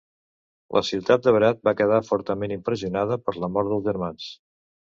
La ciutat de Berat va quedar fortament impressionada per la mort dels germans.